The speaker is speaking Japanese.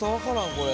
これ。